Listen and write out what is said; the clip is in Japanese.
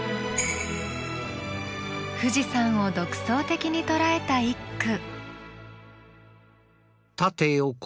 富士山を独創的に捉えた一句。